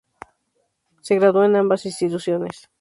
Se graduó en ambas instituciones.